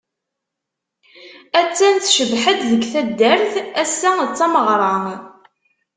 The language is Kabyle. Attan tcebbeḥ-d, deg taddart assa d tameɣra.